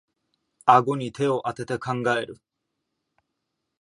あごに手をあてて考える